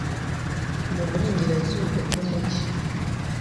mu burengerazuba bw'umugi